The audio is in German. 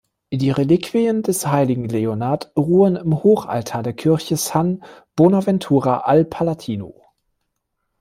Die Reliquien des heiligen Leonhard ruhen im Hochaltar der Kirche San Bonaventura al Palatino.